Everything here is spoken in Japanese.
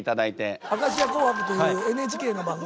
「明石家紅白」というＮＨＫの番組に。